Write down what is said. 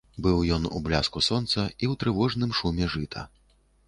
Быў ён у бляску сонца і ў трывожным шуме жыта.